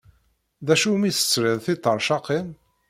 D acu umi tesrid tiṭercaqin?